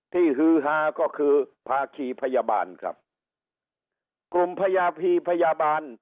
ฮือฮาก็คือภาคีพยาบาลครับกลุ่มพญาพีพยาบาล